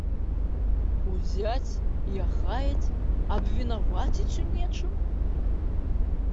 Узяць і ахаяць, абвінаваціць у нечым?